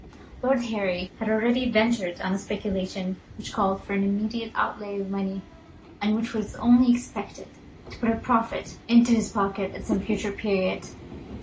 Lord Harry had already ventured on a speculation which called for an immediate outlay of money, and which was only expected to put a profit into his pocket at some future period.